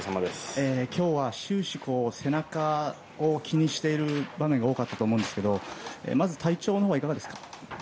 今日は終始背中を気にしている場面が多かったと思いますがまず体調はいかがですか。